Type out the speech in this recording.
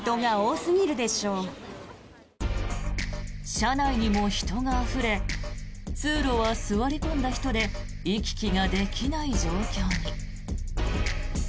車内にも人があふれ通路は座り込んだ人で行き来ができない状況に。